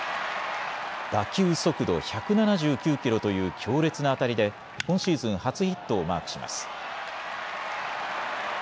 打球速度１７９キロという強烈な当たりで、今シーズン初ヒットをマークします。